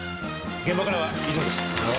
現場からは以上です。